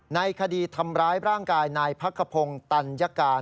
ในคดีทำร้ายร่างกายนายพักขพงศ์ตัญการ